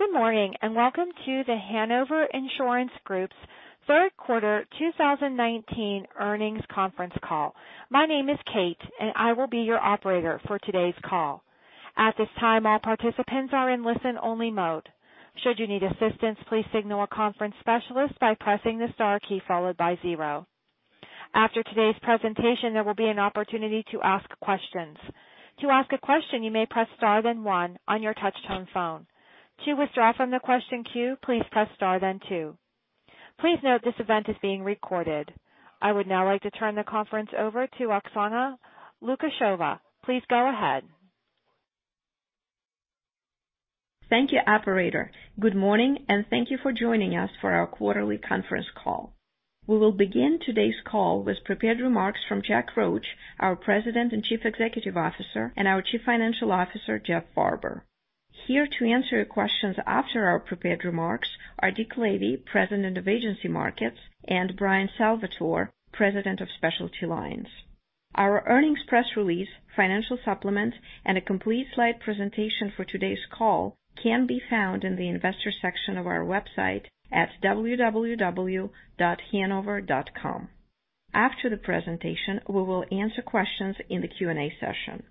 Good morning, welcome to The Hanover Insurance Group's third quarter 2019 earnings conference call. My name is Kate, and I will be your operator for today's call. At this time, all participants are in listen-only mode. Should you need assistance, please signal a conference specialist by pressing the star key followed by zero. After today's presentation, there will be an opportunity to ask questions. To ask a question, you may press star then one on your touch-tone phone. To withdraw from the question queue, please press star then two. Please note this event is being recorded. I would now like to turn the conference over to Oksana Lukasheva. Please go ahead. Thank you, operator. Good morning, thank you for joining us for our quarterly conference call. We will begin today's call with prepared remarks from Jack Roche, our President and Chief Executive Officer, and our Chief Financial Officer, Jeff Farber. Here to answer your questions after our prepared remarks are Dick Lavey, President of Agency Markets, and Bryan Salvatore, President of Specialty Lines. Our earnings press release, financial supplements, and a complete slide presentation for today's call can be found in the investor section of our website at www.hanover.com. After the presentation, we will answer questions in the Q&A session.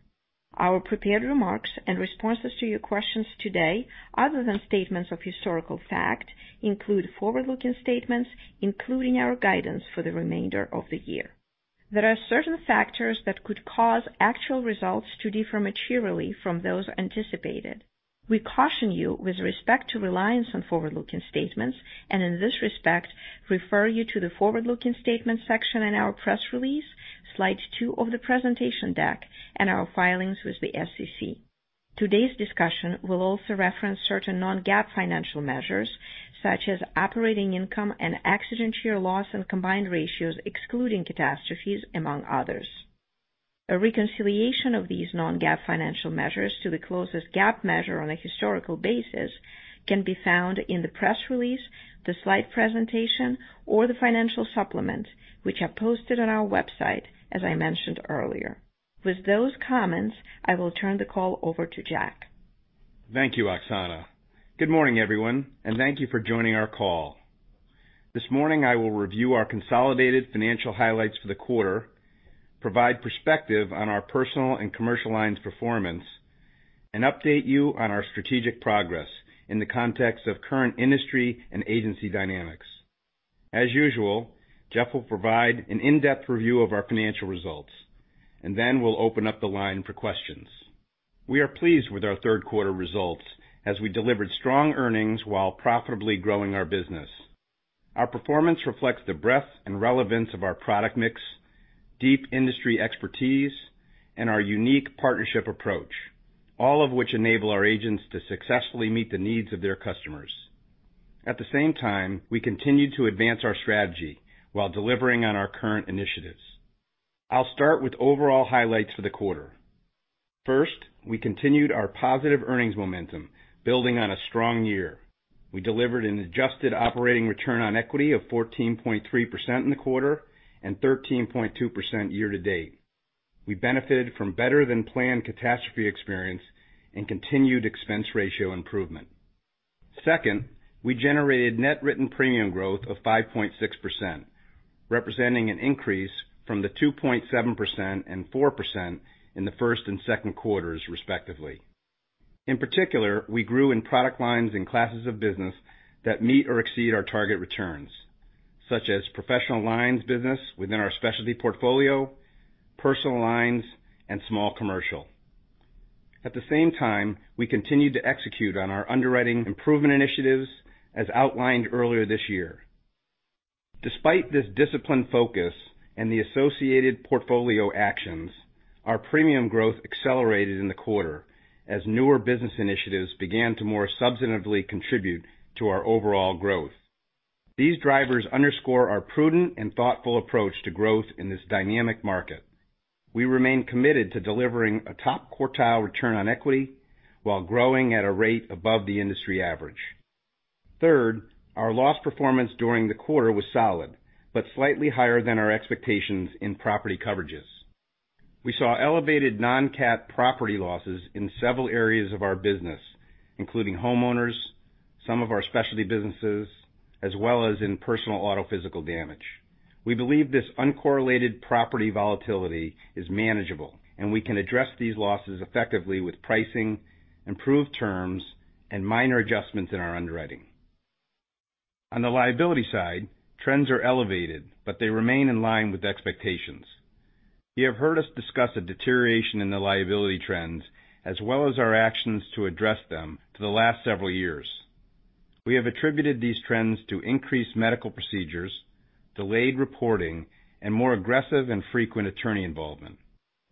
Our prepared remarks and responses to your questions today, other than statements of historical fact, include forward-looking statements, including our guidance for the remainder of the year. There are certain factors that could cause actual results to differ materially from those anticipated. We caution you with respect to reliance on forward-looking statements, and in this respect refer you to the forward-looking statements section in our press release, slide two of the presentation deck, and our filings with the SEC. Today's discussion will also reference certain non-GAAP financial measures, such as operating income and accident year loss and combined ratios excluding catastrophes, among others. A reconciliation of these non-GAAP financial measures to the closest GAAP measure on a historical basis can be found in the press release, the slide presentation, or the financial supplement, which are posted on our website, as I mentioned earlier. With those comments, I will turn the call over to Jack. Thank you, Oksana. Good morning, everyone, thank you for joining our call. This morning, I will review our consolidated financial highlights for the quarter, provide perspective on our personal and commercial lines performance, and update you on our strategic progress in the context of current industry and agency dynamics. As usual, Jeff will provide an in-depth review of our financial results, and then we'll open up the line for questions. We are pleased with our third quarter results as we delivered strong earnings while profitably growing our business. Our performance reflects the breadth and relevance of our product mix, deep industry expertise, and our unique partnership approach, all of which enable our agents to successfully meet the needs of their customers. At the same time, we continued to advance our strategy while delivering on our current initiatives. I'll start with overall highlights for the quarter. First, we continued our positive earnings momentum, building on a strong year. We delivered an adjusted operating return on equity of 14.3% in the quarter and 13.2% year to date. We benefited from better than planned catastrophe experience and continued expense ratio improvement. Second, we generated net written premium growth of 5.6%, representing an increase from the 2.7% and 4% in the first and second quarters, respectively. In particular, we grew in product lines and classes of business that meet or exceed our target returns, such as professional lines business within our specialty portfolio, personal lines, and small commercial. At the same time, we continued to execute on our underwriting improvement initiatives as outlined earlier this year. Despite this disciplined focus and the associated portfolio actions, our premium growth accelerated in the quarter as newer business initiatives began to more substantively contribute to our overall growth. These drivers underscore our prudent and thoughtful approach to growth in this dynamic market. We remain committed to delivering a top quartile return on equity while growing at a rate above the industry average. Third, our loss performance during the quarter was solid, but slightly higher than our expectations in property coverages. We saw elevated non-cat property losses in several areas of our business, including homeowners, some of our specialty businesses, as well as in personal auto physical damage. We believe this uncorrelated property volatility is manageable, and we can address these losses effectively with pricing, improved terms, and minor adjustments in our underwriting. On the liability side, trends are elevated, but they remain in line with expectations. You have heard us discuss a deterioration in the liability trends, as well as our actions to address them for the last several years. We have attributed these trends to increased medical procedures, delayed reporting, and more aggressive and frequent attorney involvement.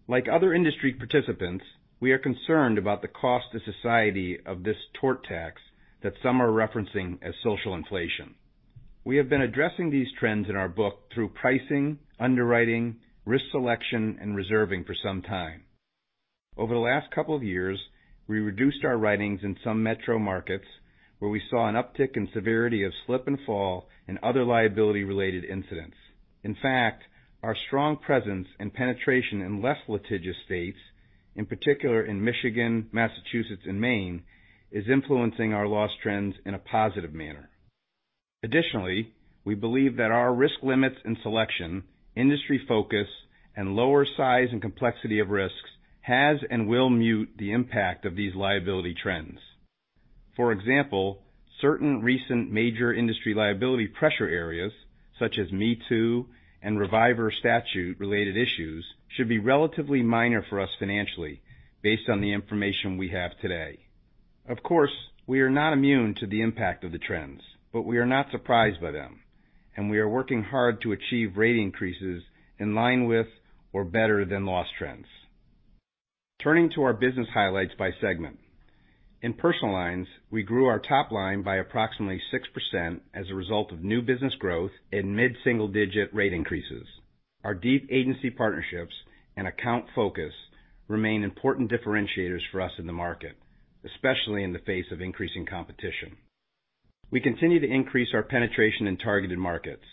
Like other industry participants, we are concerned about the cost to society of this tort tax that some are referencing as social inflation. We have been addressing these trends in our book through pricing, underwriting, risk selection, and reserving for some time. Over the last couple of years, we reduced our writings in some metro markets where we saw an uptick in severity of slip and fall and other liability-related incidents. In fact, our strong presence and penetration in less litigious states, in particular in Michigan, Massachusetts, and Maine, is influencing our loss trends in a positive manner. Additionally, we believe that our risk limits and selection, industry focus, and lower size and complexity of risks has and will mute the impact of these liability trends. For example, certain recent major industry liability pressure areas such as Me Too and reviver statute-related issues should be relatively minor for us financially based on the information we have today. Of course, we are not immune to the impact of the trends, but we are not surprised by them, and we are working hard to achieve rate increases in line with or better than loss trends. Turning to our business highlights by segment. In personal lines, we grew our top line by approximately 6% as a result of new business growth and mid-single-digit rate increases. Our deep agency partnerships and account focus remain important differentiators for us in the market, especially in the face of increasing competition. We continue to increase our penetration in targeted markets,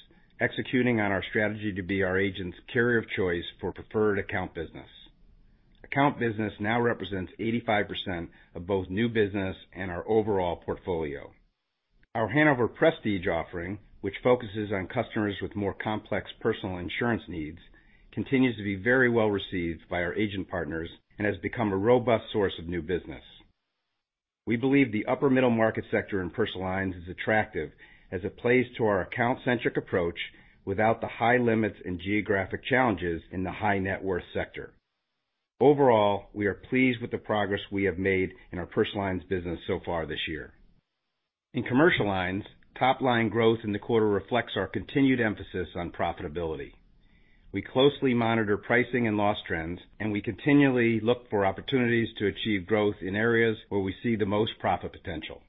executing on our strategy to be our agents' carrier of choice for preferred account business. Account business now represents 85% of both new business and our overall portfolio. Our Hanover Prestige offering, which focuses on customers with more complex personal insurance needs, continues to be very well-received by our agent partners and has become a robust source of new business. We believe the upper middle market sector in personal lines is attractive as it plays to our account-centric approach without the high limits and geographic challenges in the high net worth sector. Overall, we are pleased with the progress we have made in our personal lines business so far this year. In commercial lines, top-line growth in the quarter reflects our continued emphasis on profitability. We continually look for opportunities to achieve growth in areas where we see the most profit potential.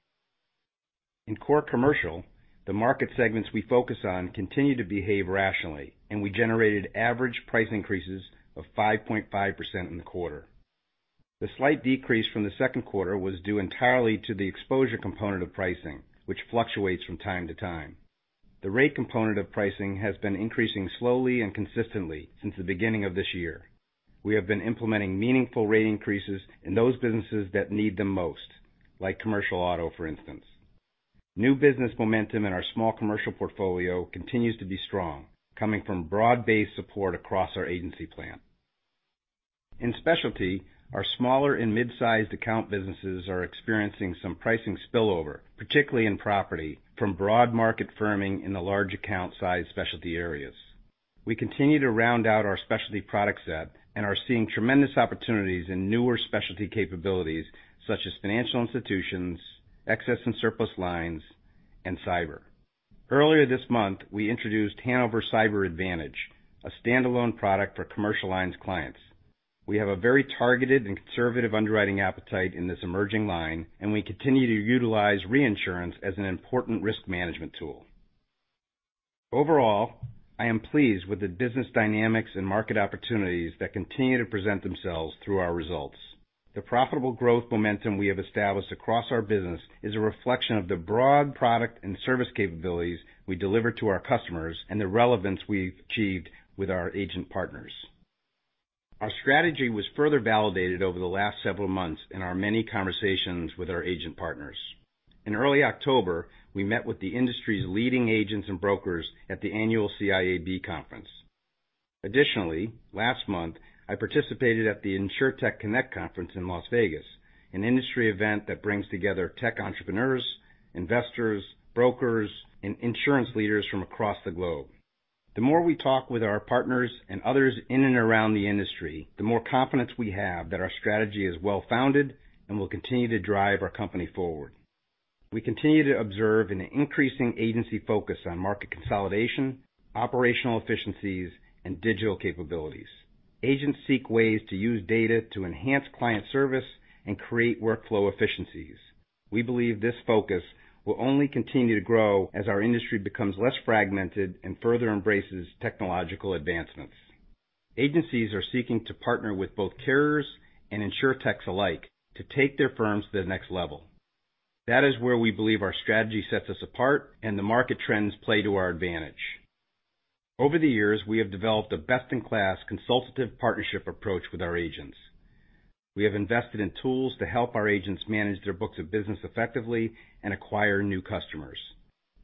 In core commercial, the market segments we focus on continue to behave rationally. We generated average price increases of 5.5% in the quarter. The slight decrease from the second quarter was due entirely to the exposure component of pricing, which fluctuates from time to time. The rate component of pricing has been increasing slowly and consistently since the beginning of this year. We have been implementing meaningful rate increases in those businesses that need them most, like commercial auto, for instance. New business momentum in our small commercial portfolio continues to be strong, coming from broad-based support across our agency plan. In specialty, our smaller and mid-sized account businesses are experiencing some pricing spillover, particularly in property, from broad market firming in the large account size specialty areas. We continue to round out our specialty product set and are seeing tremendous opportunities in newer specialty capabilities such as financial institutions, excess and surplus lines, and cyber. Earlier this month, we introduced Hanover Cyber Advantage, a standalone product for commercial lines clients. We have a very targeted and conservative underwriting appetite in this emerging line. We continue to utilize reinsurance as an important risk management tool. Overall, I am pleased with the business dynamics and market opportunities that continue to present themselves through our results. The profitable growth momentum we have established across our business is a reflection of the broad product and service capabilities we deliver to our customers and the relevance we've achieved with our agent partners. Our strategy was further validated over the last several months in our many conversations with our agent partners. In early October, we met with the industry's leading agents and brokers at the annual CIAB conference. Additionally, last month, I participated at the InsurTech Connect Conference in Las Vegas, an industry event that brings together tech entrepreneurs, investors, brokers, and insurance leaders from across the globe. The more we talk with our partners and others in and around the industry, the more confidence we have that our strategy is well-founded and will continue to drive our company forward. We continue to observe an increasing agency focus on market consolidation, operational efficiencies, and digital capabilities. Agents seek ways to use data to enhance client service and create workflow efficiencies. We believe this focus will only continue to grow as our industry becomes less fragmented and further embraces technological advancements. Agencies are seeking to partner with both carriers and insurtechs alike to take their firms to the next level. That is where we believe our strategy sets us apart and the market trends play to our advantage. Over the years, we have developed a best-in-class consultative partnership approach with our agents. We have invested in tools to help our agents manage their books of business effectively and acquire new customers.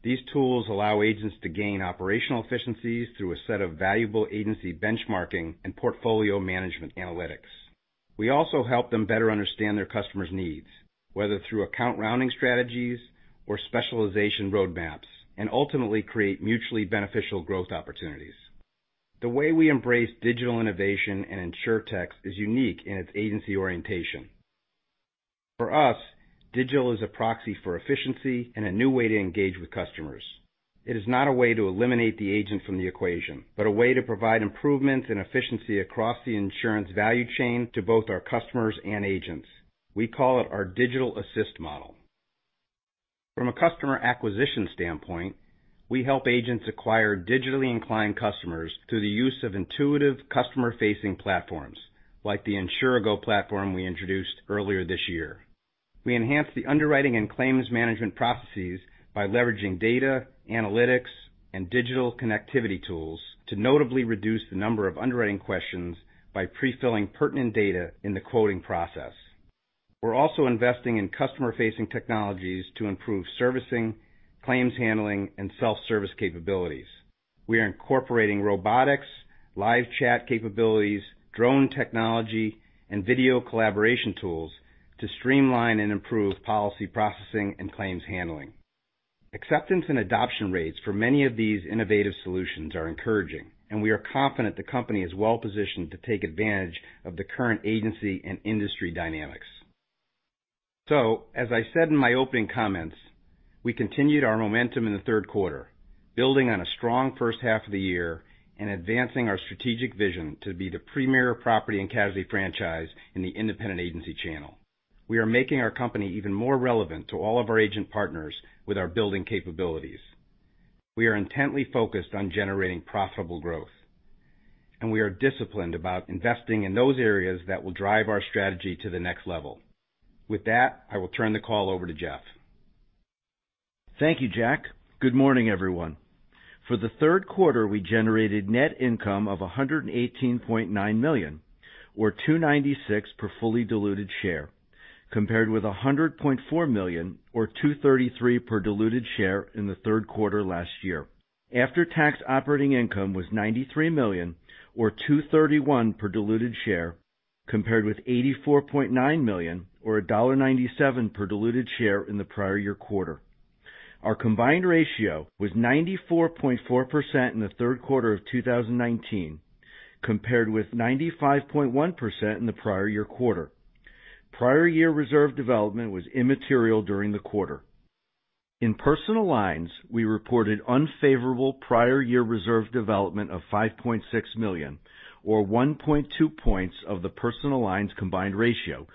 These tools allow agents to gain operational efficiencies through a set of valuable agency benchmarking and portfolio management analytics. We also help them better understand their customers' needs, whether through account rounding strategies or specialization roadmaps, and ultimately create mutually beneficial growth opportunities. The way we embrace digital innovation and insurtechs is unique in its agency orientation. For us, digital is a proxy for efficiency and a new way to engage with customers. It is not a way to eliminate the agent from the equation, but a way to provide improvements in efficiency across the insurance value chain to both our customers and agents. We call it our Digital Assist Model. From a customer acquisition standpoint, we help agents acquire digitally inclined customers through the use of intuitive customer-facing platforms like the Insurago platform we introduced earlier this year. We enhance the underwriting and claims management processes by leveraging data, analytics, and digital connectivity tools to notably reduce the number of underwriting questions by pre-filling pertinent data in the quoting process. We are also investing in customer-facing technologies to improve servicing, claims handling, and self-service capabilities. We are incorporating robotics, live chat capabilities, drone technology, and video collaboration tools to streamline and improve policy processing and claims handling. Acceptance and adoption rates for many of these innovative solutions are encouraging, and we are confident the company is well-positioned to take advantage of the current agency and industry dynamics. As I said in my opening comments, we continued our momentum in the third quarter, building on a strong first half of the year and advancing our strategic vision to be the premier property and casualty franchise in the independent agency channel. We are making our company even more relevant to all of our agent partners with our building capabilities. We are intently focused on generating profitable growth. We are disciplined about investing in those areas that will drive our strategy to the next level. With that, I will turn the call over to Jeff. Thank you, Jack. Good morning, everyone. For the third quarter, we generated net income of $118.9 million, or $2.96 per fully diluted share, compared with $100.4 million or $2.33 per diluted share in the third quarter last year. After-tax operating income was $93 million or $2.31 per diluted share compared with $84.9 million or $1.97 per diluted share in the prior year quarter. Our combined ratio was 94.4% in the third quarter of 2019, compared with 95.1% in the prior year quarter. Prior year reserve development was immaterial during the quarter. In personal lines, we reported unfavorable prior year reserve development of $5.6 million, or 1.2 points of the personal lines combined ratio,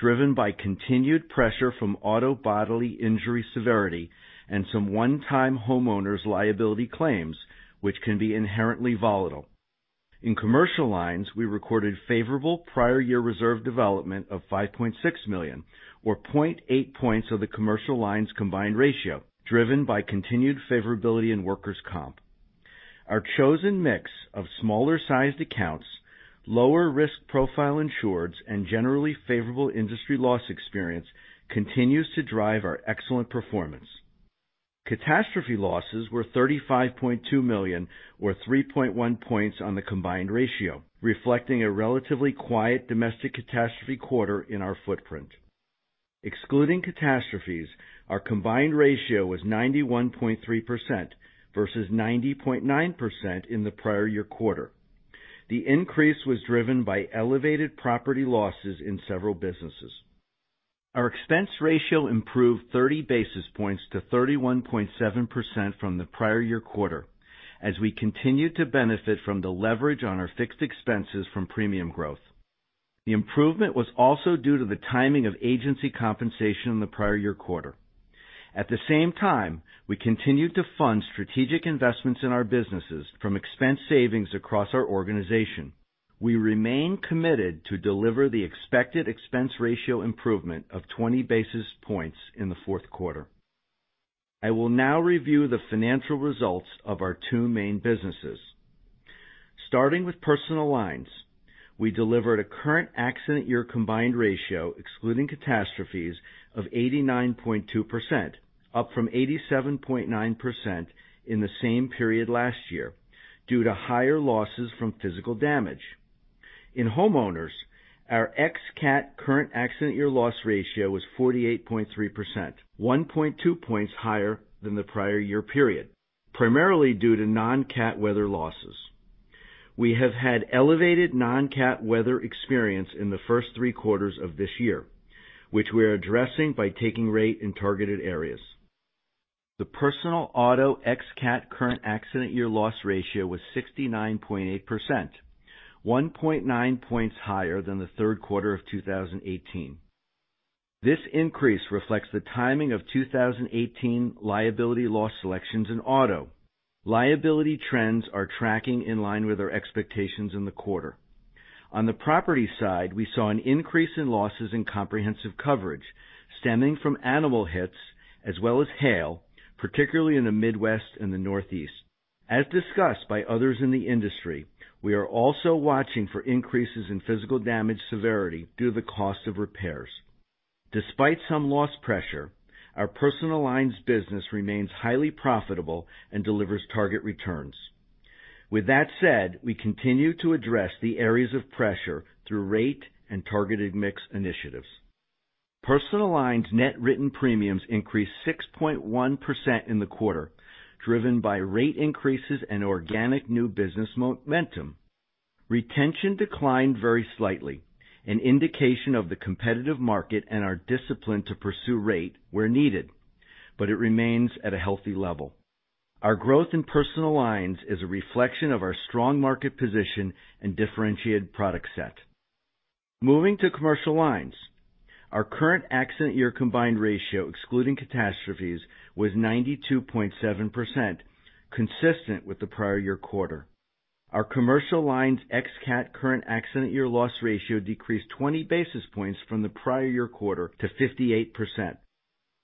driven by continued pressure from auto bodily injury severity and some one-time homeowners liability claims, which can be inherently volatile. In commercial lines, we recorded favorable prior year reserve development of $5.6 million, or 0.8 points of the commercial lines combined ratio, driven by continued favorability in workers' comp. Our chosen mix of smaller-sized accounts, lower risk profile insureds, and generally favorable industry loss experience continues to drive our excellent performance. Catastrophe losses were $35.2 million or 3.1 points on the combined ratio, reflecting a relatively quiet domestic catastrophe quarter in our footprint. Excluding catastrophes, our combined ratio was 91.3% versus 90.9% in the prior year quarter. The increase was driven by elevated property losses in several businesses. Our expense ratio improved 30 basis points to 31.7% from the prior year quarter as we continued to benefit from the leverage on our fixed expenses from premium growth. The improvement was also due to the timing of agency compensation in the prior year quarter. At the same time, we continued to fund strategic investments in our businesses from expense savings across our organization. We remain committed to deliver the expected expense ratio improvement of 20 basis points in the fourth quarter. I will now review the financial results of our two main businesses. Starting with personal lines, we delivered a current accident year combined ratio excluding catastrophes of 89.2%, up from 87.9% in the same period last year due to higher losses from physical damage. In homeowners, our ex-cat current accident year loss ratio was 48.3%, 1.2 points higher than the prior year period, primarily due to non-cat weather losses. We have had elevated non-cat weather experience in the first three quarters of this year, which we are addressing by taking rate in targeted areas. The personal auto ex-cat current accident year loss ratio was 69.8%, 1.9 points higher than the third quarter of 2018. This increase reflects the timing of 2018 liability loss selections in auto. Liability trends are tracking in line with our expectations in the quarter. On the property side, we saw an increase in losses in comprehensive coverage stemming from animal hits as well as hail, particularly in the Midwest and the Northeast. As discussed by others in the industry, we are also watching for increases in physical damage severity due to the cost of repairs. Despite some loss pressure, our personal lines business remains highly profitable and delivers target returns. With that said, we continue to address the areas of pressure through rate and targeted mix initiatives. Personal lines net written premiums increased 6.1% in the quarter, driven by rate increases and organic new business momentum. Retention declined very slightly, an indication of the competitive market and our discipline to pursue rate where needed, but it remains at a healthy level. Moving to commercial lines. Our current accident year combined ratio, excluding catastrophes, was 92.7%, consistent with the prior year quarter. Our commercial lines ex-cat current accident year loss ratio decreased 20 basis points from the prior year quarter to 58%.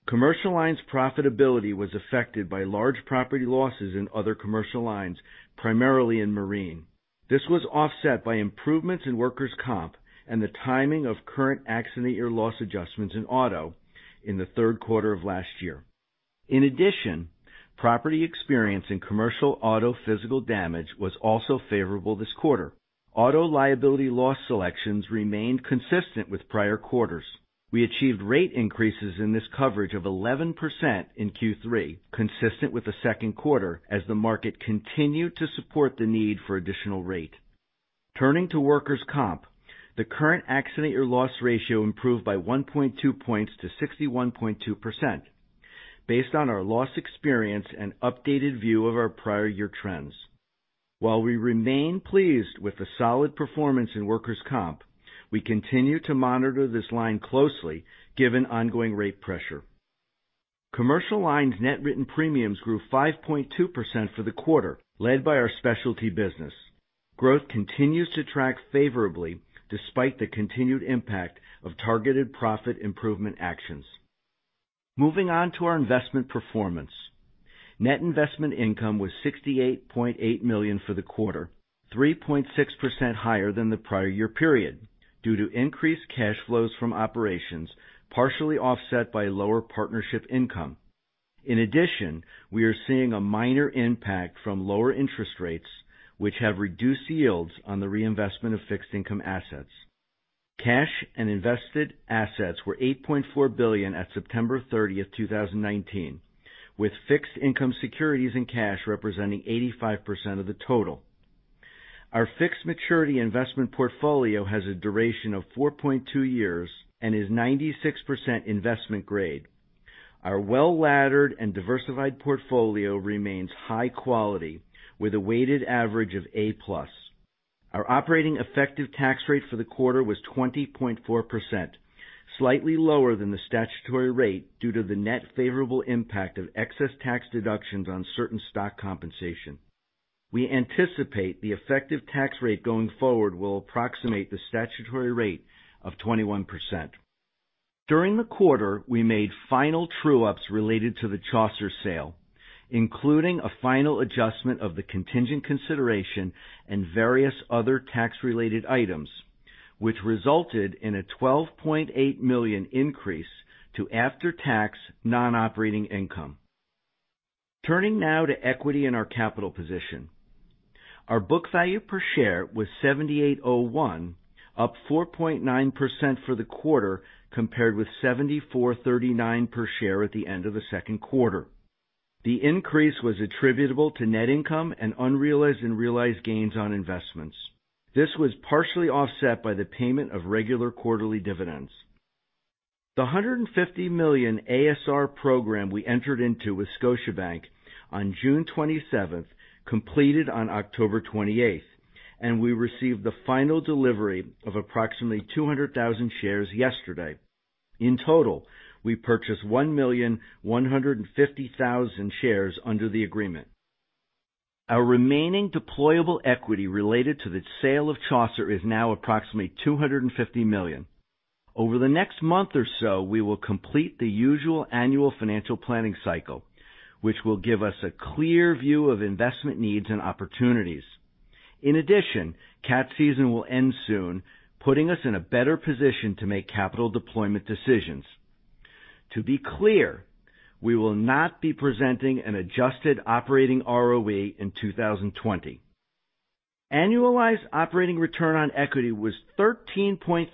Commercial lines profitability was affected by large property losses in other commercial lines, primarily in marine. This was offset by improvements in workers' comp and the timing of current accident year loss adjustments in auto in the third quarter of last year. In addition, property experience in commercial auto physical damage was also favorable this quarter. Auto liability loss selections remained consistent with prior quarters. We achieved rate increases in this coverage of 11% in Q3, consistent with the second quarter, as the market continued to support the need for additional rate. Turning to workers' comp, the current accident year loss ratio improved by 1.2 points to 61.2%, based on our loss experience and updated view of our prior year trends. While we remain pleased with the solid performance in workers' comp, we continue to monitor this line closely given ongoing rate pressure. Commercial lines net written premiums grew 5.2% for the quarter, led by our specialty business. Growth continues to track favorably despite the continued impact of targeted profit improvement actions. Moving on to our investment performance. Net investment income was $68.8 million for the quarter, 3.6% higher than the prior year period, due to increased cash flows from operations, partially offset by lower partnership income. We are seeing a minor impact from lower interest rates, which have reduced yields on the reinvestment of fixed income assets. Cash and invested assets were $8.4 billion at September 30th, 2019, with fixed income securities and cash representing 85% of the total. Our fixed maturity investment portfolio has a duration of 4.2 years and is 96% investment grade. Our well-laddered and diversified portfolio remains high quality with a weighted average of A-plus. Our operating effective tax rate for the quarter was 20.4%, slightly lower than the statutory rate due to the net favorable impact of excess tax deductions on certain stock compensation. We anticipate the effective tax rate going forward will approximate the statutory rate of 21%. During the quarter, we made final true-ups related to the Chaucer sale, including a final adjustment of the contingent consideration and various other tax-related items, which resulted in a $12.8 million increase to after-tax non-operating income. Turning now to equity in our capital position. Our book value per share was $78.01, up 4.9% for the quarter, compared with $74.39 per share at the end of the second quarter. The increase was attributable to net income and unrealized and realized gains on investments. This was partially offset by the payment of regular quarterly dividends. The $150 million ASR program we entered into with Scotiabank on June 27th completed on October 28th, and we received the final delivery of approximately 200,000 shares yesterday. In total, we purchased 1,150,000 shares under the agreement. Our remaining deployable equity related to the sale of Chaucer is now approximately $250 million. Over the next month or so, we will complete the usual annual financial planning cycle, which will give us a clear view of investment needs and opportunities. Cat season will end soon, putting us in a better position to make capital deployment decisions. To be clear, we will not be presenting an adjusted operating ROE in 2020. Annualized operating return on equity was 13.3%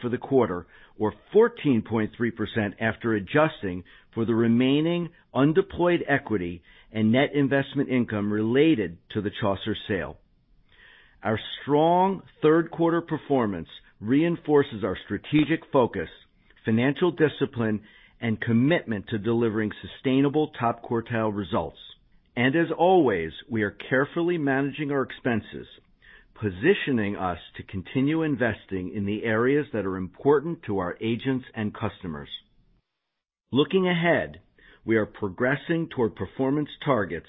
for the quarter or 14.3% after adjusting for the remaining undeployed equity and net investment income related to the Chaucer sale. Our strong third-quarter performance reinforces our strategic focus, financial discipline, and commitment to delivering sustainable top-quartile results. As always, we are carefully managing our expenses, positioning us to continue investing in the areas that are important to our agents and customers. Looking ahead, we are progressing toward performance targets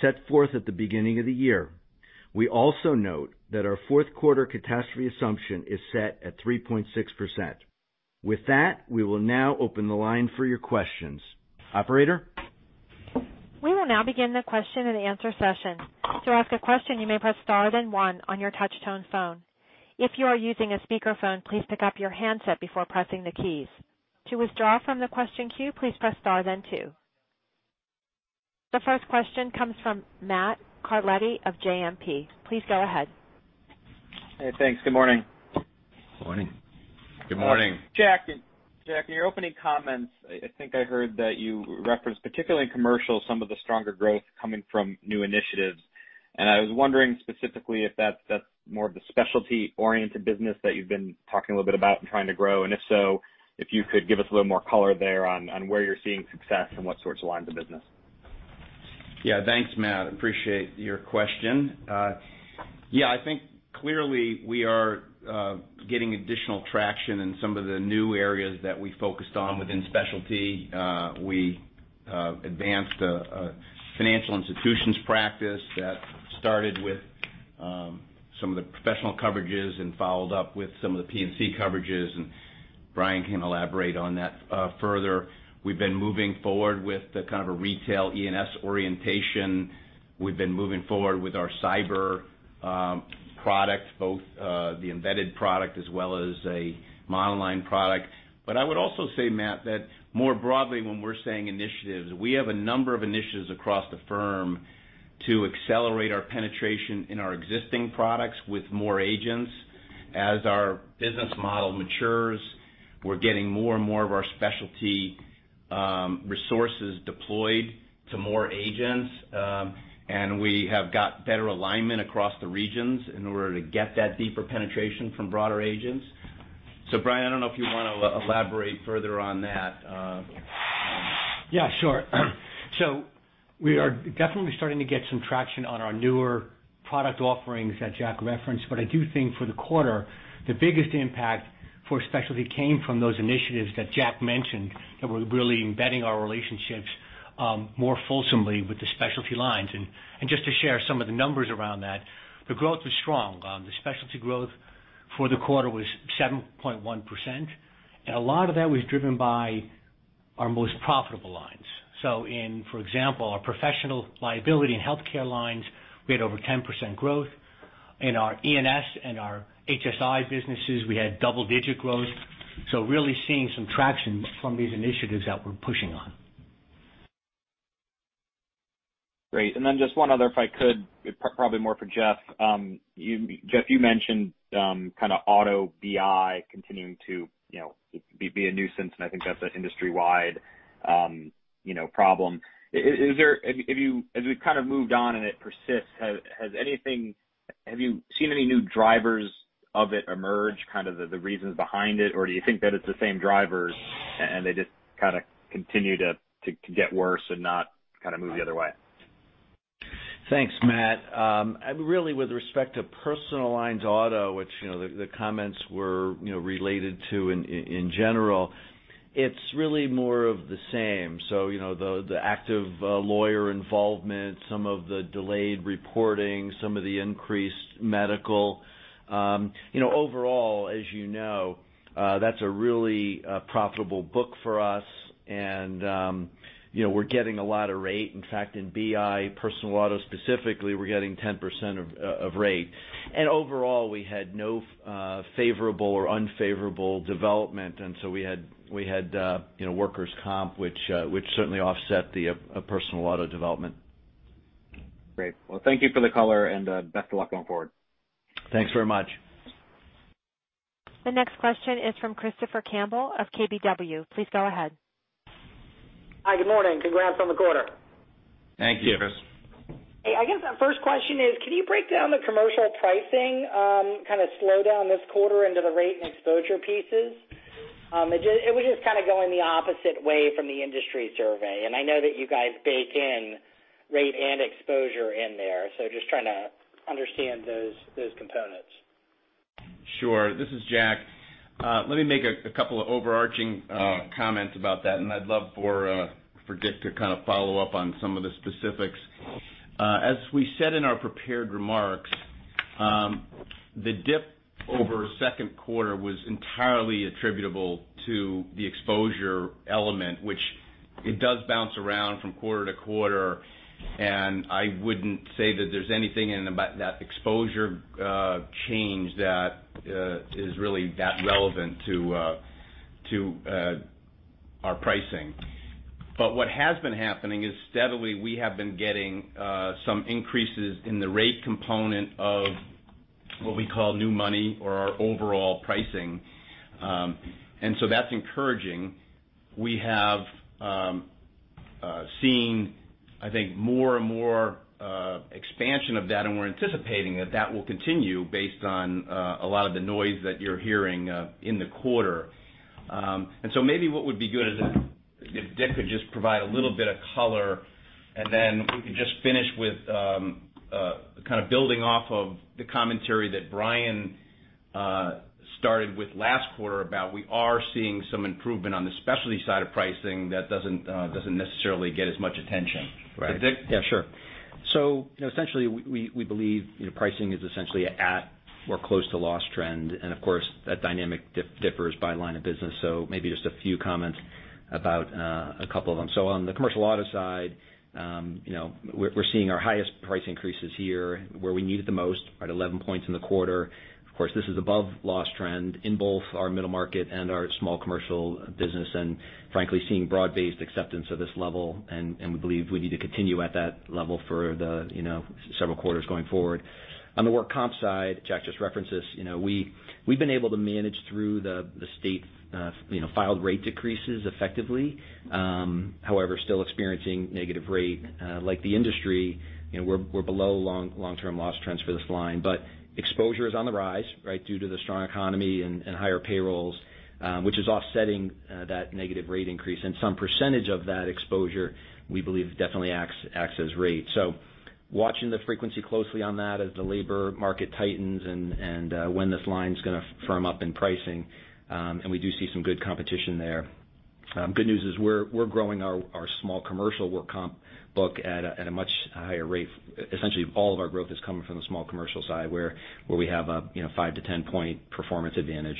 set forth at the beginning of the year. We also note that our fourth quarter catastrophe assumption is set at 3.6%. With that, we will now open the line for your questions. Operator? We will now begin the question and answer session. To ask a question, you may press star then one on your touch-tone phone. If you are using a speakerphone, please pick up your handset before pressing the keys. To withdraw from the question queue, please press star then two. The first question comes from Matt Carletti of JMP. Please go ahead. Hey, thanks. Good morning. Morning. Good morning. Jack, in your opening comments, I think I heard that you referenced, particularly in commercial, some of the stronger growth coming from new initiatives. I was wondering specifically if that's more of the specialty-oriented business that you've been talking a little bit about and trying to grow, and if so, if you could give us a little more color there on where you're seeing success and what sorts of lines of business. Yeah. Thanks, Matt. Appreciate your question. Yeah, I think clearly we are getting additional traction in some of the new areas that we focused on within specialty. We advanced a financial institutions practice that started with some of the professional coverages and followed up with some of the P&C coverages, and Bryan can elaborate on that further. We've been moving forward with the kind of a retail E&S orientation. We've been moving forward with our cyber product, both the embedded product as well as a monoline product. I would also say, Matt, that more broadly, when we're saying initiatives, we have a number of initiatives across the firm to accelerate our penetration in our existing products with more agents. As our business model matures, we're getting more and more of our specialty resources deployed to more agents. We have got better alignment across the regions in order to get that deeper penetration from broader agents. Bryan, I don't know if you want to elaborate further on that. Yeah, sure. We are definitely starting to get some traction on our newer product offerings that Jack referenced. I do think for the quarter, the biggest impact for specialty came from those initiatives that Jack mentioned, that we're really embedding our relationships more fulsomely with the specialty lines. Just to share some of the numbers around that, the growth was strong. The specialty growth for the quarter was 7.1%, and a lot of that was driven by our most profitable lines. In, for example, our professional liability and healthcare lines, we had over 10% growth. In our E&S and our HSI businesses, we had double-digit growth. Really seeing some traction from these initiatives that we're pushing on. Great. Just one other, if I could, probably more for Jeff. Jeff, you mentioned kind of auto BI continuing to be a nuisance, and I think that's an industry-wide problem. As we've kind of moved on and it persists, have you seen any new drivers of it emerge, kind of the reasons behind it, or do you think that it's the same drivers and they just kind of continue to get worse and not kind of move the other way? Thanks, Matt. With respect to personal lines auto, which the comments were related to in general, it's really more of the same. The active lawyer involvement, some of the delayed reporting, some of the increased medical. Overall, as you know, that's a really profitable book for us, and we're getting a lot of rate. In fact, in BI personal auto specifically, we're getting 10% of rate. Overall, we had no favorable or unfavorable development, we had workers' comp, which certainly offset the personal auto development. Great. Thank you for the color, best of luck going forward. Thanks very much. The next question is from Christopher Campbell of KBW. Please go ahead. Hi, good morning. Congrats on the quarter. Thank you. Thank you, Chris. I guess the first question is, can you break down the commercial pricing kind of slowdown this quarter into the rate and exposure pieces? It was just kind of going the opposite way from the industry survey, and I know that you guys bake in rate and exposure in there. Just trying to understand those components. Sure. This is Jack. Let me make a couple of overarching comments about that, and I'd love for Dick to kind of follow up on some of the specifics. As we said in our prepared remarks, the dip over second quarter was entirely attributable to the exposure element, which it does bounce around from quarter to quarter, and I wouldn't say that there's anything in that exposure change that is really that relevant to our pricing. What has been happening is steadily we have been getting some increases in the rate component of what we call new money or our overall pricing. That's encouraging. We have seen, I think, more and more expansion of that, and we're anticipating that that will continue based on a lot of the noise that you're hearing in the quarter. Maybe what would be good is if Dick could just provide a little bit of color, and then we can just finish with kind of building off of the commentary that Bryan started with last quarter about we are seeing some improvement on the specialty side of pricing that doesn't necessarily get as much attention. Right. Dick? Sure. Essentially, we believe pricing is essentially at or close to loss trend, and of course, that dynamic differs by line of business. Maybe just a few comments about a couple of them. On the commercial auto side, we're seeing our highest price increases here where we need it the most, right 11 points in the quarter. Of course, this is above loss trend in both our middle market and our small commercial business, and frankly, seeing broad-based acceptance of this level, and we believe we need to continue at that level for the several quarters going forward. On the work comp side, Jack just referenced this. We've been able to manage through the state filed rate decreases effectively. However, still experiencing negative rate. Like the industry, we're below long-term loss trends for this line. Exposure is on the rise due to the strong economy and higher payrolls, which is offsetting that negative rate increase. Some percentage of that exposure, we believe, definitely acts as rate. Watching the frequency closely on that as the labor market tightens and when this line's going to firm up in pricing, and we do see some good competition there. Good news is we're growing our small commercial work comp book at a much higher rate. Essentially, all of our growth is coming from the small commercial side, where we have a 5- to 10-point performance advantage.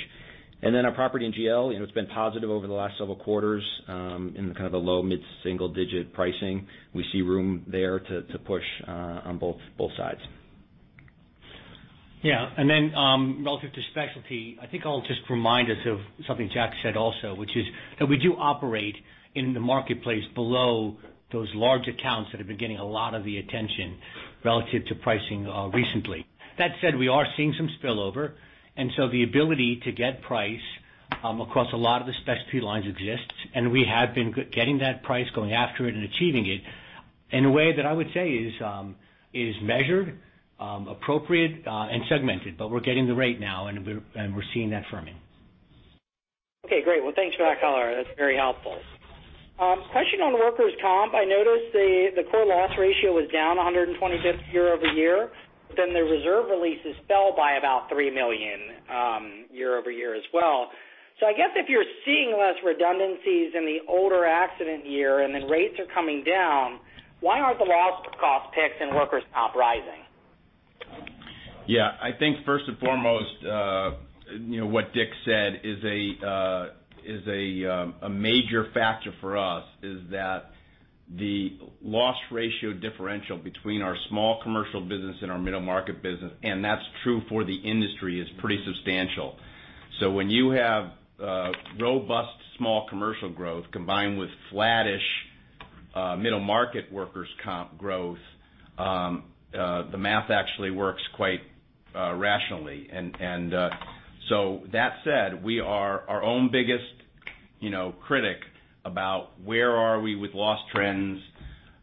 Then our property in GL, it's been positive over the last several quarters, in the kind of a low mid-single-digit pricing. We see room there to push on both sides. Yeah. Then, relative to specialty, I think I'll just remind us of something Jack said also, which is that we do operate in the marketplace below those large accounts that have been getting a lot of the attention relative to pricing recently. That said, we are seeing some spillover, the ability to get price across a lot of the specialty lines exists, and we have been getting that price, going after it, and achieving it in a way that I would say is measured, appropriate, and segmented. We're getting the rate now, and we're seeing that firming. Okay, great. Well, thanks for that color. That's very helpful. Question on workers' comp. I noticed the core loss ratio was down 120 bits year-over-year, the reserve releases fell by about $3 million year-over-year as well. I guess if you're seeing less redundancies in the older accident year and then rates are coming down, why aren't the loss cost ticks in workers' comp rising? Yeah. I think first and foremost, what Dick said is a major factor for us is that the loss ratio differential between our small commercial business and our middle market business, and that's true for the industry, is pretty substantial. When you have robust small commercial growth combined with flattish middle market workers' comp growth, the math actually works quite rationally. That said, we are our own biggest critic about where are we with loss trends,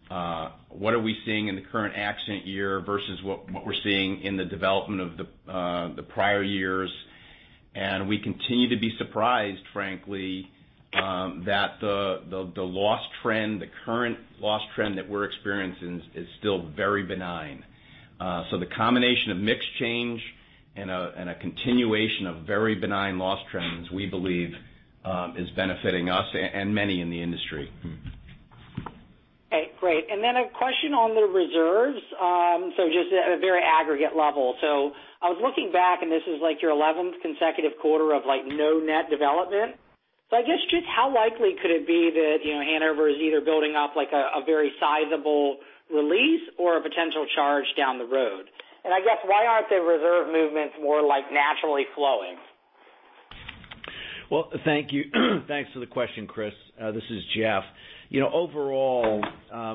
what are we seeing in the current accident year versus what we're seeing in the development of the prior years. We continue to be surprised, frankly, that the current loss trend that we're experiencing is still very benign. The combination of mix change and a continuation of very benign loss trends, we believe, is benefiting us and many in the industry. Okay, great. Then a question on the reserves, just at a very aggregate level. I was looking back, and this is like your 11th consecutive quarter of no net development. I guess just how likely could it be that Hanover is either building up a very sizable release or a potential charge down the road? I guess why aren't the reserve movements more naturally flowing? Well, thank you. Thanks for the question, Chris. This is Jeff. Overall,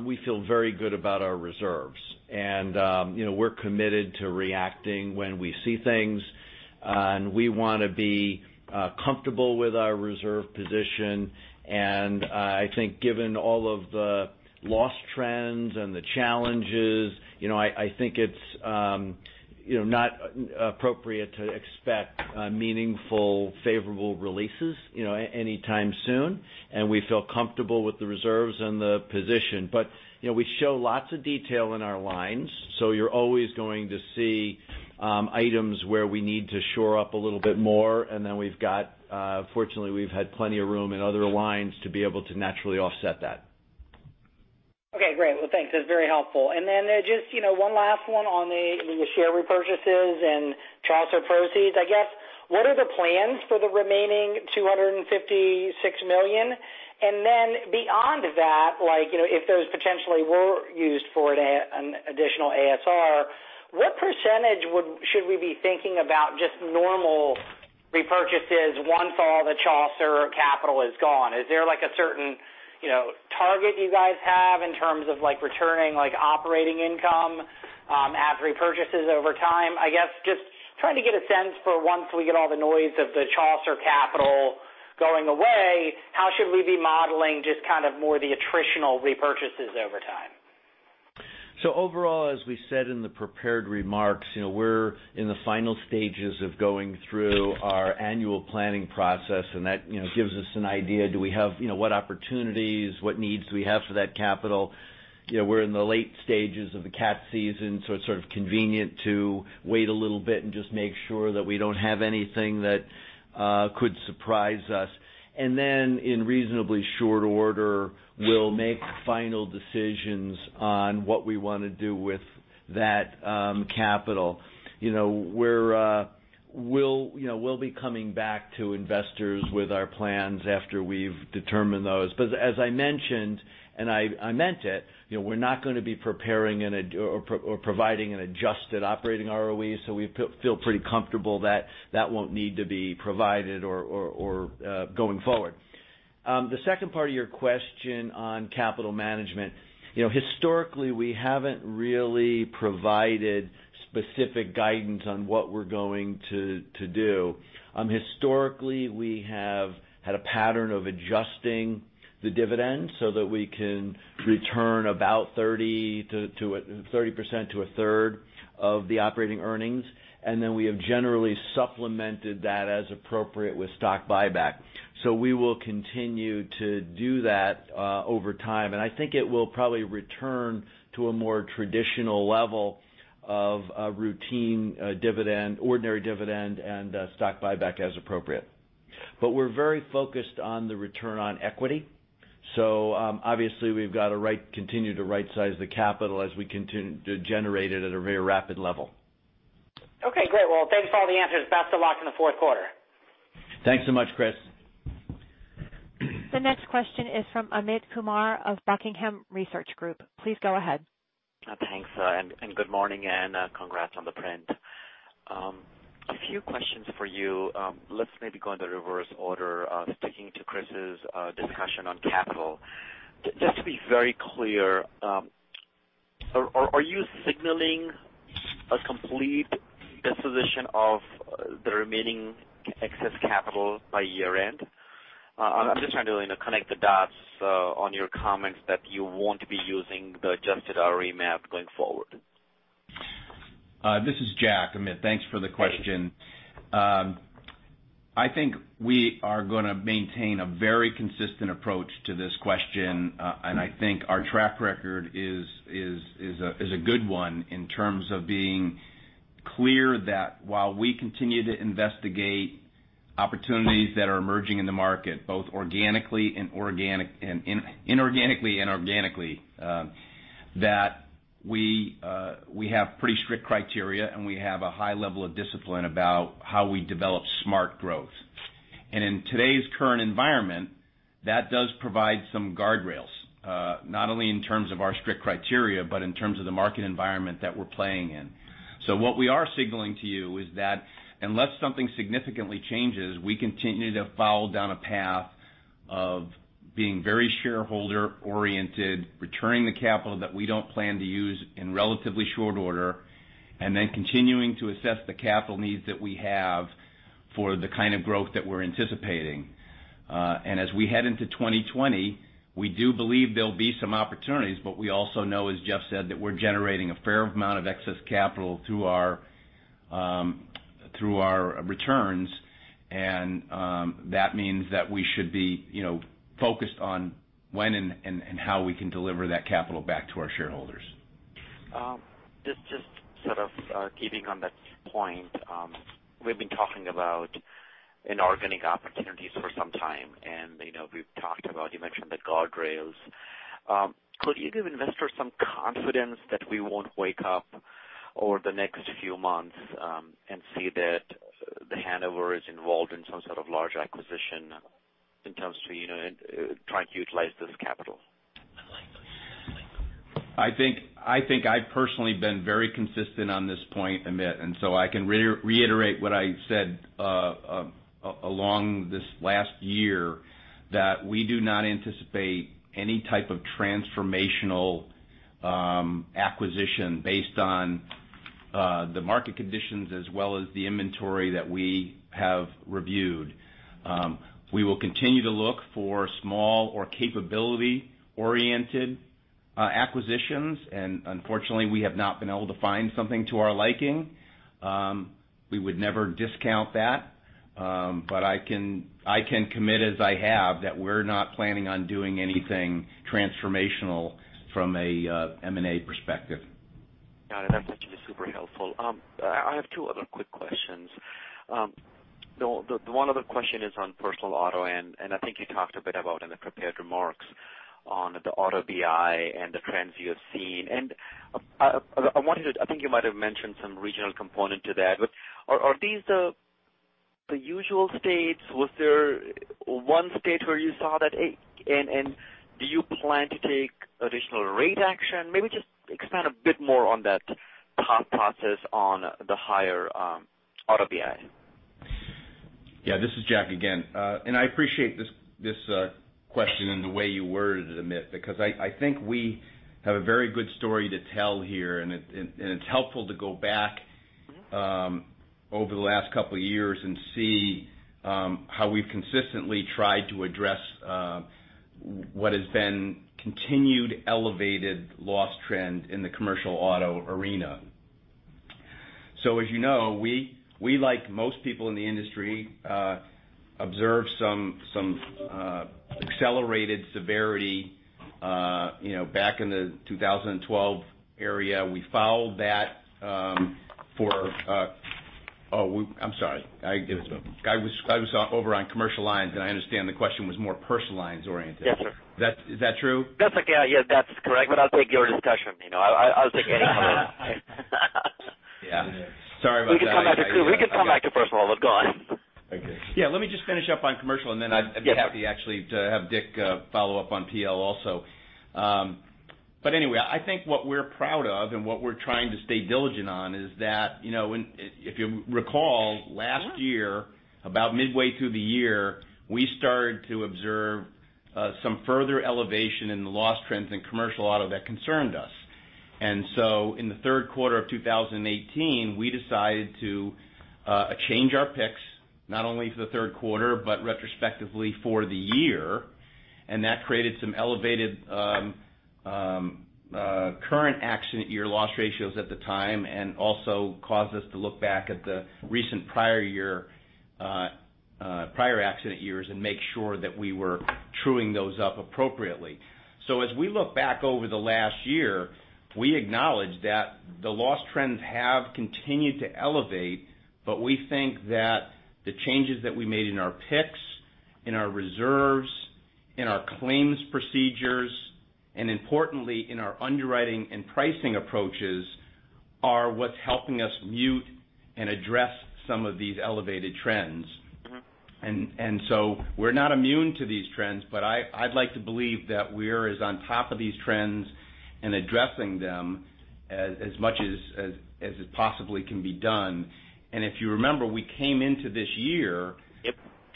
we feel very good about our reserves. We're committed to reacting when we see things. We want to be comfortable with our reserve position, and I think given all of the loss trends and the challenges, I think it's not appropriate to expect meaningful favorable releases anytime soon. We feel comfortable with the reserves and the position. We show lots of detail in our lines, so you're always going to see items where we need to shore up a little bit more. Then we've got, fortunately, we've had plenty of room in other lines to be able to naturally offset that. Okay, great. Well, thanks. That's very helpful. Then just one last one on the share repurchases and Chaucer proceeds, I guess, what are the plans for the remaining $256 million? Then beyond that, if those potentially were used for an additional ASR, what % should we be thinking about just normal repurchases once all the Chaucer capital is gone? Is there a certain target you guys have in terms of returning operating income as repurchases over time? Guess just trying to get a sense for once we get all the noise of the Chaucer capital going away, how should we be modeling just kind of more the attritional repurchases over time? Overall, as we said in the prepared remarks, we're in the final stages of going through our annual planning process, and that gives us an idea, do we have what opportunities, what needs do we have for that capital? We're in the late stages of the cat season, so it's sort of convenient to wait a little bit and just make sure that we don't have anything that could surprise us. Then in reasonably short order, we'll make final decisions on what we want to do with that capital. We'll be coming back to investors with our plans after we've determined those. As I mentioned, and I meant it, we're not going to be preparing or providing an adjusted operating ROE, so we feel pretty comfortable that that won't need to be provided or going forward. The second part of your question on capital management. Historically, we haven't really provided specific guidance on what we're going to do. Historically, we have had a pattern of adjusting the dividend so that we can return about 30% to a third of the operating earnings, and then we have generally supplemented that as appropriate with stock buyback. We will continue to do that over time, and I think it will probably return to a more traditional level of a routine dividend, ordinary dividend, and stock buyback as appropriate. We're very focused on the return on equity. Obviously we've got to continue to rightsize the capital as we continue to generate it at a very rapid level. Okay, great. Thanks for all the answers. Best of luck in the fourth quarter. Thanks so much, Chris. The next question is from Amit Kumar of Buckingham Research Group. Please go ahead. Thanks. Good morning, and congrats on the print. A few questions for you. Let's maybe go in the reverse order. Sticking to Chris's discussion on capital, just to be very clear, are you signaling a complete disposition of the remaining excess capital by year-end? I'm just trying to connect the dots on your comments that you want to be using the adjusted ROE map going forward. This is Jack. Amit, thanks for the question. I think we are going to maintain a very consistent approach to this question, and I think our track record is a good one in terms of being clear that while we continue to investigate opportunities that are emerging in the market, both inorganically and organically, that we have pretty strict criteria and we have a high level of discipline about how we develop smart growth. In today's current environment, that does provide some guardrails, not only in terms of our strict criteria, but in terms of the market environment that we're playing in. What we are signaling to you is that unless something significantly changes, we continue to follow down a path of being very shareholder-oriented, returning the capital that we don't plan to use in relatively short order, and then continuing to assess the capital needs that we have for the kind of growth that we're anticipating. As we head into 2020, we do believe there'll be some opportunities, but we also know, as Jeff said, that we're generating a fair amount of excess capital through our returns, and that means that we should be focused on when and how we can deliver that capital back to our shareholders. Just sort of keeping on that point. We've been talking about inorganic opportunities for some time, and we've talked about, you mentioned the guardrails. Could you give investors some confidence that we won't wake up over the next few months, and see that The Hanover is involved in some sort of large acquisition in terms of trying to utilize this capital? I think I've personally been very consistent on this point, Amit. I can reiterate what I said along this last year, that we do not anticipate any type of transformational acquisition based on the market conditions as well as the inventory that we have reviewed. We will continue to look for small or capability-oriented acquisitions. Unfortunately, we have not been able to find something to our liking. We would never discount that. I can commit as I have that we're not planning on doing anything transformational from a M&A perspective. Got it. That's actually super helpful. I have two other quick questions. The one other question is on personal auto. I think you talked a bit about in the prepared remarks on the auto BI and the trends you have seen. I think you might have mentioned some regional component to that, but are these the usual states? Was there one state where you saw that? Do you plan to take additional rate action? Maybe just expand a bit more on that thought process on the higher auto BI. Yeah, this is Jack again. I appreciate this question and the way you worded it, Amit, because I think we have a very good story to tell here, and it's helpful to go back over the last couple of years and see how we've consistently tried to address what has been continued elevated loss trend in the commercial auto arena. As you know, we, like most people in the industry, observed some accelerated severity back in the 2012 area. We followed that for Oh, I'm sorry. I was over on commercial lines. I understand the question was more personal lines oriented. Yes, sir. Is that true? That's okay. Yeah, that's correct. I'll take your discussion. I'll take any comment. Yeah. Sorry about that. We can come back to personal. Go on. Thank you. Yeah, let me just finish up on commercial, and then I'd be happy actually to have Dick follow up on PL also. Anyway, I think what we're proud of and what we're trying to stay diligent on is that, if you recall last year, about midway through the year, we started to observe some further elevation in the loss trends in commercial auto that concerned us. In the third quarter of 2018, we decided to change our picks, not only for the third quarter, but retrospectively for the year. That created some elevated current accident year loss ratios at the time, and also caused us to look back at the recent prior accident years and make sure that we were truing those up appropriately. As we look back over the last year, we acknowledge that the loss trends have continued to elevate, but we think that the changes that we made in our picks, in our reserves, in our claims procedures, and importantly, in our underwriting and pricing approaches, are what's helping us mute and address some of these elevated trends. We're not immune to these trends, but I'd like to believe that we're as on top of these trends and addressing them as much as possibly can be done. If you remember, we came into this year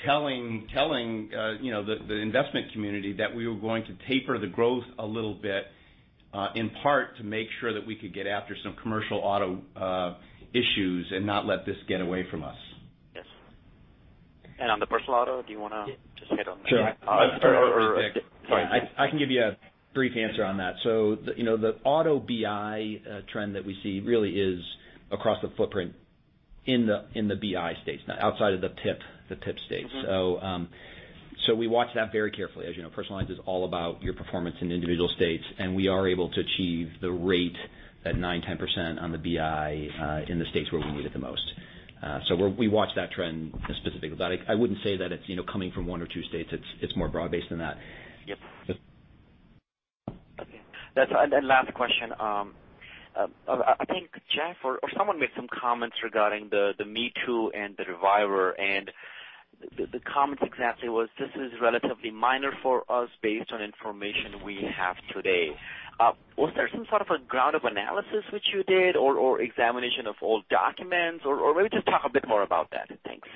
telling the investment community that we were going to taper the growth a little bit, in part to make sure that we could get after some commercial auto issues and not let this get away from us. Yes. On the personal auto, do you want to just hit on that? Sure. Or- Sorry. I can give you a brief answer on that. The auto BI trend that we see really is across the footprint in the BI states, outside of the PIP states. We watch that very carefully. As you know, personal lines is all about your performance in individual states, and we are able to achieve the rate at nine, 10% on the BI in the states where we need it the most. We watch that trend specifically. I wouldn't say that it's coming from one or two states. It's more broad-based than that. Yep. Okay. Last question. I think Jack or someone made some comments regarding the Me Too and the reviver, the comments exactly was, This is relatively minor for us based on information we have today. Was there some sort of a ground of analysis which you did or examination of old documents or maybe just talk a bit more about that. Thanks.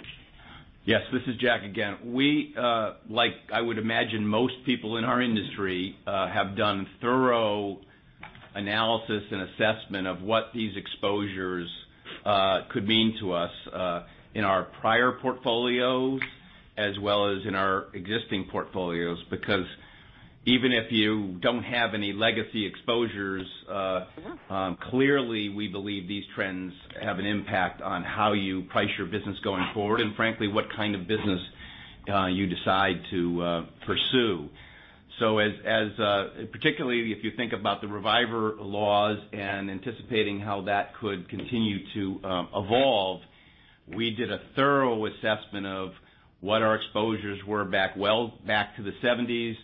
Yes, this is Jack again. We, like I would imagine most people in our industry, have done thorough analysis and assessment of what these exposures could mean to us, in our prior portfolios as well as in our existing portfolios. Even if you don't have any legacy exposures, clearly we believe these trends have an impact on how you price your business going forward, and frankly, what kind of business you decide to pursue. Particularly if you think about the reviver laws and anticipating how that could continue to evolve, we did a thorough assessment of what our exposures were back to the '70s,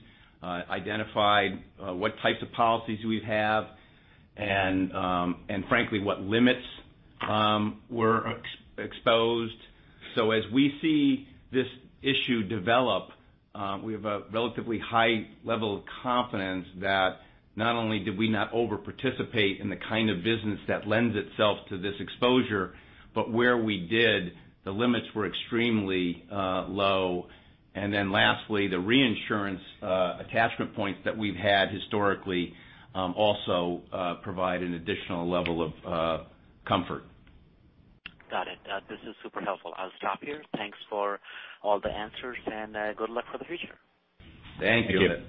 identified what types of policies we have, and frankly, what limits were exposed. As we see this issue develop, we have a relatively high level of confidence that not only did we not over participate in the kind of business that lends itself to this exposure, but where we did, the limits were extremely low. Lastly, the reinsurance attachment points that we've had historically, also provide an additional level of comfort. Got it. This is super helpful. I'll stop here. Thanks for all the answers, and good luck for the future. Thank you. Thank you.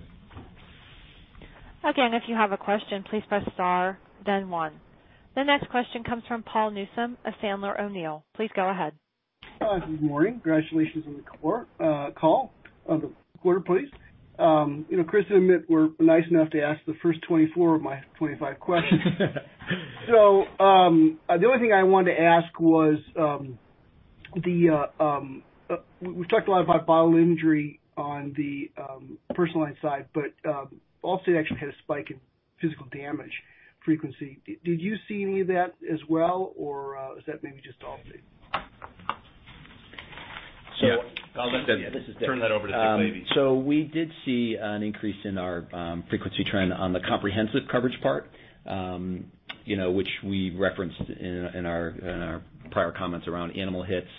Again, if you have a question, please press star then one. The next question comes from Paul Newsome of Sandler O'Neill. Please go ahead. Hi. Good morning. Congratulations on the call, on the quarter, please. Chris and Amit were nice enough to ask the first 24 of my 25 questions. The only thing I wanted to ask was, we've talked a lot about bodily injury on the personal line side, but Allstate actually had a spike in physical damage frequency. Did you see any of that as well, or is that maybe just Allstate? So- Yeah. I'll let Dick- This is Dick. Turn that over to Dick Lavey. We did see an increase in our frequency trend on the comprehensive coverage part, which we referenced in our prior comments around animal hits.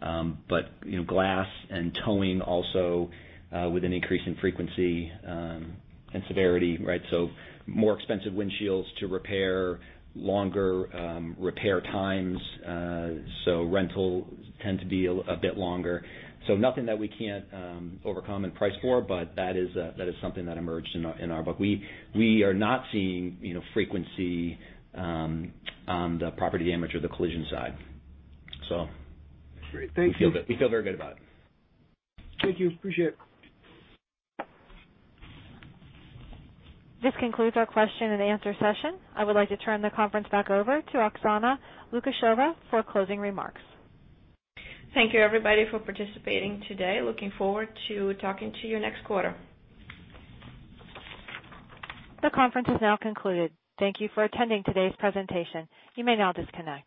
Glass and towing also with an increase in frequency and severity, right? More expensive windshields to repair, longer repair times, rentals tend to be a bit longer. Nothing that we can't overcome and price for, but that is something that emerged in our book. We are not seeing frequency on the property damage or the collision side. Great. Thank you we feel very good about it. Thank you. Appreciate it. This concludes our question and answer session. I would like to turn the conference back over to Oksana Lukasheva for closing remarks. Thank you everybody for participating today. Looking forward to talking to you next quarter. The conference is now concluded. Thank you for attending today's presentation. You may now disconnect.